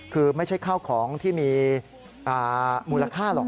คือไม่ใช่ข้าวของที่มีมูลค่าหรอก